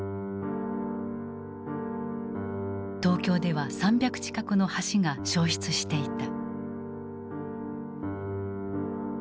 東京では３００近くの橋が焼失していた。